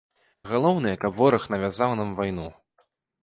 Галоўнае, каб вораг навязаў нам вайну.